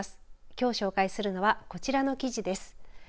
きょう紹介するのはこちらの記事です。